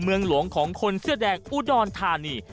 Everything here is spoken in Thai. เมืองหลวงของคนเสื้อแดงอุดรธานี